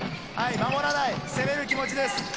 守らない、攻める気持ちです。